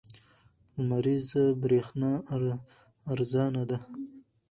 لمریزه برېښنا ارزانه ده.